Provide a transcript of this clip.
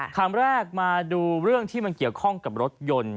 คำแรกมาดูเรื่องที่มันเกี่ยวข้องกับรถยนต์